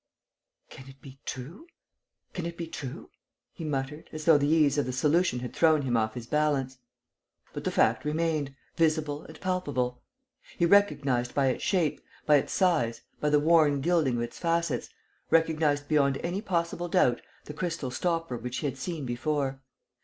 "Can it be true? Can it be true?" he muttered, as though the ease of the solution had thrown him off his balance. But the fact remained, visible and palpable. He recognized by its shape, by its size, by the worn gilding of its facets, recognized beyond any possible doubt the crystal stopper which he had seen before.